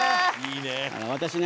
私ね